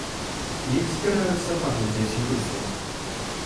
Іх збіраюцца паглядзець юрысты.